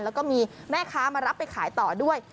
แล้วก็มีแม่ค้ามารับไปขายต่อด้วย